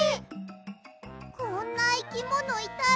こんないきものいたら。